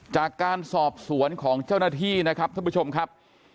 จากการสอบสวนของเจ้าหน้าที่นะครับท่านผู้ชมครับ